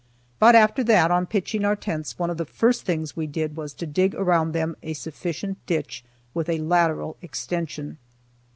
But after that, on pitching our tents one of the first things we did was to dig around them a sufficient ditch with a lateral extension.